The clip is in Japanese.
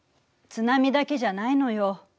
津波だけじゃないのよ。